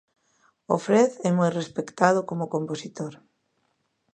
O Fred é moi respectado como compositor.